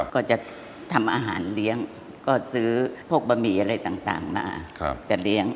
ก็จะทำอาหารเลี้ยงก็ซื้อพวกบะหมี่อะไรต่างมาจะเลี้ยง